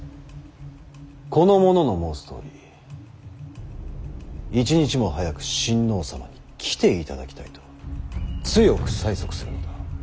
この者の申すとおり一日も早く親王様に来ていただきたいと強く催促するのだ。